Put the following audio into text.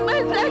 udah re udah